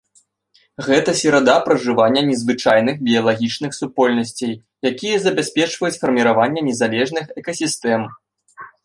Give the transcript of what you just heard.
Гэта серада пражывання незвычайных біялагічных супольнасцей, якія забяспечваюць фарміраванне незалежных экасістэм.